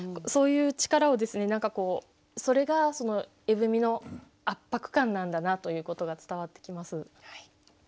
そういう力をですね何かこうそれが絵踏の圧迫感なんだなということが伝わってきます。